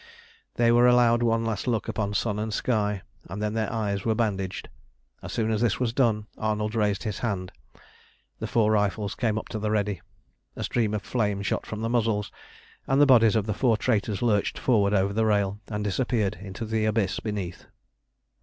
They were allowed one last look upon sun and sky, and then their eyes were bandaged. As soon as this was done Arnold raised his hand; the four rifles came up to the ready; a stream of flame shot from the muzzles, and the bodies of the four traitors lurched forward over the rail and disappeared into the abyss beneath.